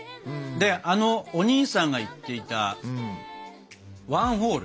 であのおにいさんが言っていたワンホール。